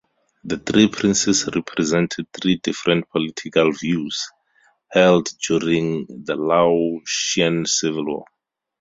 The Three Princes represented three different political views held during the Laotian Civil War.